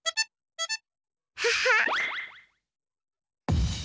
ハハ！